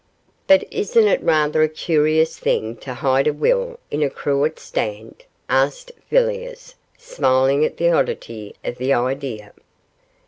'But isn't it rather a curious thing to hide a will in a cruet stand?' asked Villiers, smiling at the oddity of the idea.